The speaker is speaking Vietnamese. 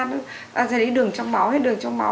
nó sẽ lấy đường trong máu hết đường trong máu